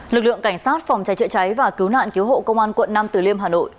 lực lượng cảnh sát phòng cháy trợ cháy và cứu nạn cứu hộ công an quận năm từ liêm hà nội